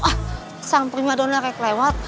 ah sang prima donnarek lewat